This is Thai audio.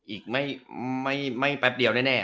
อีกไม่แป๊บเดียวแน่